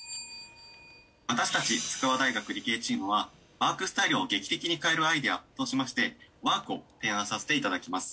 私たち筑波大学理系チームはワークスタイルを劇的に変えるアイデアとしましてＷＯＡＲＫを提案させていただきます。